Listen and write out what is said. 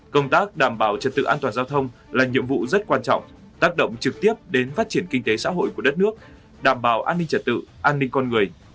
công tác đảm bảo trật tự an toàn giao thông là nhiệm vụ rất quan trọng tác động trực tiếp đến phát triển kinh tế xã hội của đất nước đảm bảo an ninh trật tự an ninh con người